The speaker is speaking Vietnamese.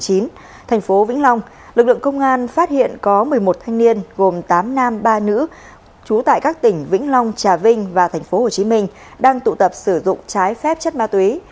trong thành phố vĩnh long lực lượng công an phát hiện có một mươi một thanh niên gồm tám nam ba nữ trú tại các tỉnh vĩnh long trà vinh và thành phố hồ chí minh đang tụ tập sử dụng trái phép chất ma túy